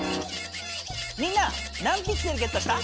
みんな何ピクセルゲットした？